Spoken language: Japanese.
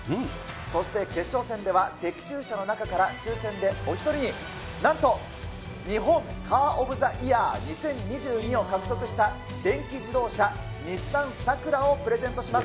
そして決勝戦では、的中者の中から抽せんでお１人になんと、日本カー・オブ・ザ・イヤー２０２２を獲得した、電気自動車日産サクラをプレゼントします。